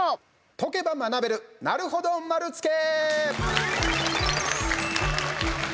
解けば学べる、なるほど丸つけ。